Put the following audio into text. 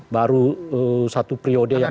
baru satu periode yang